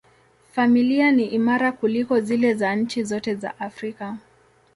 Familia ni imara kuliko zile za nchi zote za Afrika.